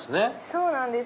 そうなんです。